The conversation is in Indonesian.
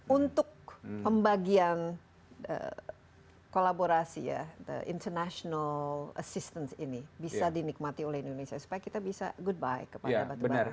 untuk pembagian kolaborasi ya international assistance ini bisa dinikmati oleh indonesia supaya kita bisa goodbye kepada batu barat